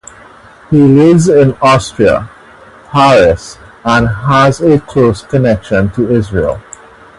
He lives in Austria, Paris and has a close connection to Israel.